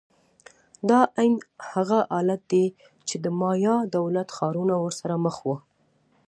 دا عین هغه حالت دی چې د مایا دولت ښارونه ورسره مخ وو.